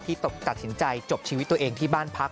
ตัดสินใจจบชีวิตตัวเองที่บ้านพัก